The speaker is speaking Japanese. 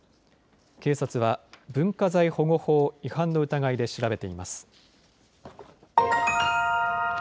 警察は文化財保護法違反の疑いで調べています。